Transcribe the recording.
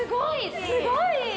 すごい！